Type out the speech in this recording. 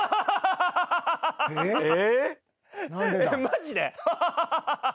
マジで？